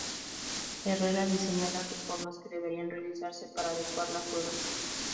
Herrera diseñó la reformas que deberían realizarse para adecuar la Cueva.